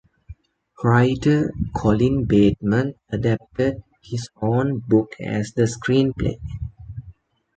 Writer Colin Bateman adapted his own book as the screenplay.